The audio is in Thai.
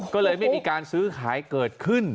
ก็เลยไม่มีการซื้อขายเกิดขึ้น